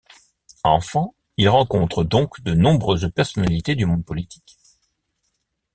Enfant, il rencontre donc de nombreuses personnalités du monde politique.